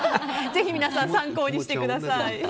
ぜひ皆さん参考にしてください。